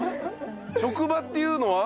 職場っていうのは？